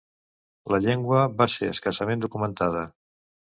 La llengua va ser escassament documentada.